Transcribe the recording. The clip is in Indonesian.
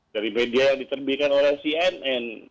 dari media yang diterbitkan oleh cnn